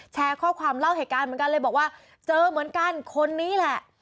แชร์ข้อความเล่าเหตุการณ์เหมือนกันเลยบอกว่าเจอเหมือนกันคนนี้แหละ